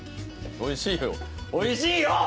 おいしいよ、おいしいよ！